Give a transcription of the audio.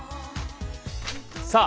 さあ